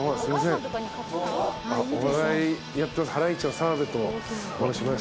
お笑いやってます